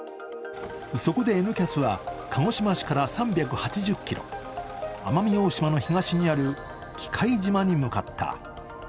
そこで「Ｎキャス」は鹿児島市から３８０ｋｍ、奄美大島の東にある喜界島に向かった。